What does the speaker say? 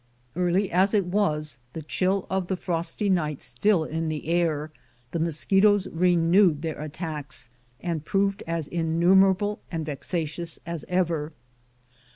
Early as it was, the chill of the frosty night still in the air, tne mosquitoes renewed their attacks, and proved as innumerable and vexatious as ever.